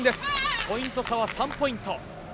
ポイント差は３ポイント。